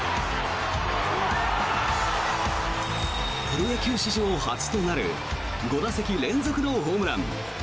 プロ野球史上初となる５打席連続のホームラン。